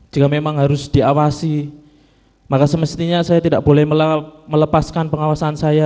jika memang harus diawasi maka semestinya saya tidak boleh melepaskan pengawasan saya